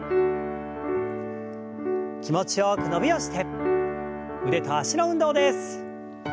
気持ちよく伸びをして腕と脚の運動です。